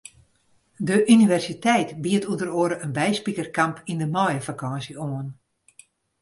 De universiteit biedt ûnder oare in byspikerkamp yn de maaiefakânsje oan.